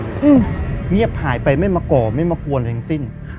เงียบหายไปไม่มาก่อไม่มาบรวมอยู่ตรงที่สิ้น